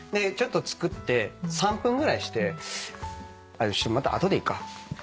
ちょっと作って３分ぐらいしてまた後でいいか。